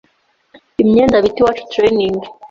imyenda bita iwacu training